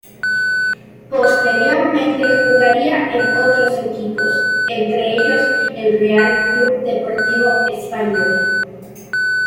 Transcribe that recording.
Posteriormente jugaría en otros equipos, entre ellos el Real Club Deportivo Español.